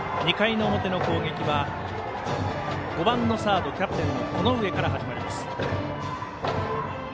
２回の表の攻撃は５番のサードキャプテンの此上から始まります。